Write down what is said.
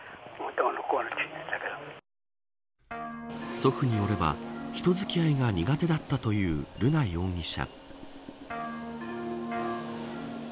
祖父によれば、人付き合いが苦手だったという瑠奈容疑者。